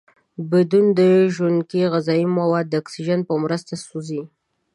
بدن ژونکې غذایي مواد د اکسیجن په مرسته سوځوي.